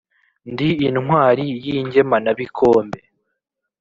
ndi intwari y' ingemanabikombe